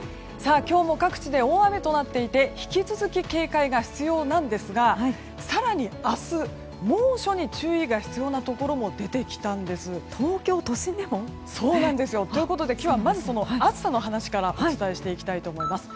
今日も各地で大雨となっていて引き続き、警戒が必要なんですが更に明日猛暑に注意が必要なところも東京都心でも？ということで今日は暑さの話からお伝えしていこうと思います。